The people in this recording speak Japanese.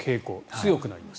強くなります。